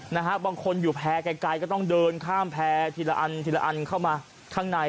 นะฮะบางคนอยู่แพร่ไกลก็ต้องเดินข้ามแพรทีละอันทีละอันเข้ามาข้างใน